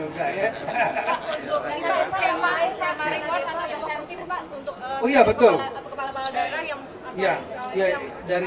pak untuk skema skema reward atau yang sensitif pak untuk kepala kepala daerah yang berharga